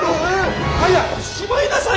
早くしまいなさい！